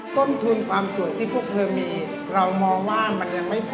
ต้นทุนความสวยที่พวกเธอมีเรามองว่ามันยังไม่พอ